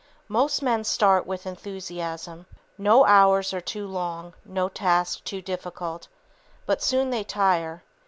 Most men start with enthusiasm. No hours are too long, no task too difficult. But soon they tire.